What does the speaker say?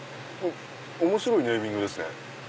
面白いネーミングですね。